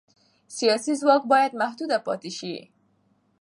سیاسي ځواک باید محدود پاتې شي